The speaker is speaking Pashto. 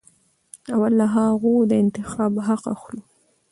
او له هغوى د انتخاب حق اخلو.